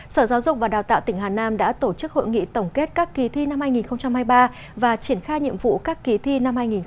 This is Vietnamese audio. sở giáo dục và đào tạo tỉnh hà nam đã tổ chức hội nghị tổng kết các kỳ thi năm hai nghìn hai mươi ba và triển khai nhiệm vụ các kỳ thi năm hai nghìn hai mươi bốn